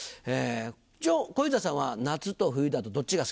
一応小遊三さんは夏と冬だとどっちが好きですか？